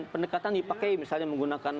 pendekatan dipakai misalnya menggunakan